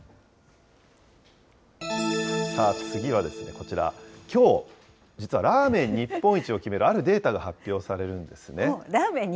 次はこちら、きょう、実はラーメン日本一を決めるあるデータが発表されるんですね。